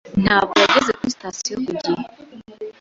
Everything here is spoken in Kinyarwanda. ntabwo yageze kuri sitasiyo ku gihe.